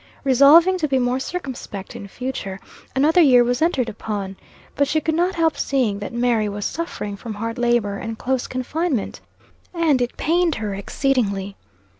Resolving to be more circumspect in future, another year was entered upon. But she could not help seeing that Mary was suffering from hard labor and close confinement, and it pained her exceedingly.